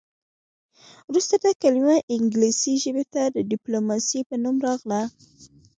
وروسته دا کلمه انګلیسي ژبې ته د ډیپلوماسي په نوم راغله